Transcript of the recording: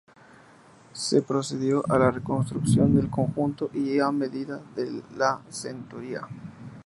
Se procedió a la reconstrucción del conjunto ya mediada la centuria.